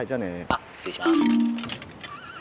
「あっ失礼しま」。